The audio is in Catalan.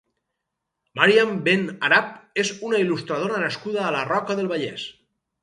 Màriam Ben-Arab és una il·lustradora nascuda a la Roca del Vallès.